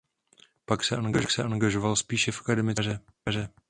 Pak se angažoval spíše v akademické sféře.